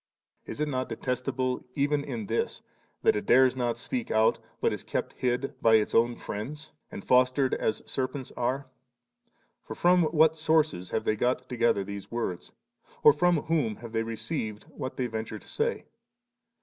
Is it not detestable even in this, that it dares not speak out, but is kept hid by its own friends, and fostered as serpents are? for from what sources have they got together these words? or from whom luive they received what they venture to say)